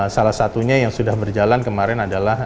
salah satunya yang sudah berjalan kemarin adalah